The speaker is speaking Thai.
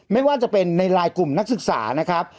ไม่ว่าจะเป็นในไลน์กลุ่มนักศึกษานะครับ